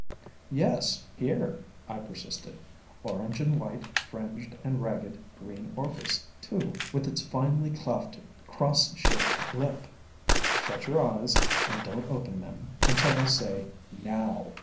"Yes, here," I persisted. "Orange and White Fringed and Ragged Green Orchis, too, with its finely cleft cross shaped lip. Shut your eyes, and don't open them until I say, Now!"